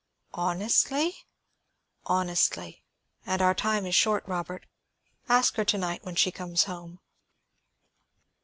"Honestly?" "Honestly. And our time is short, Robert; ask her to night when she comes home."